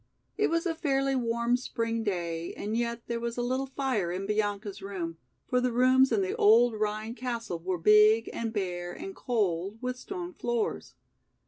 It was a fairly warm spring day and yet there was a little fire in Bianca's room, for the rooms in the old Rhine castle were big and bare and cold, with stone floors.